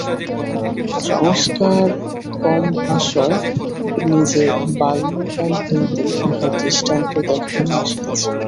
সংস্কারকমহাশয় নিজে বাল্যকাল হইতেই ইহার দৃষ্টান্ত দেখাইয়া আসিতেছেন।